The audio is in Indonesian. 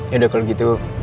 yaudah kalo gitu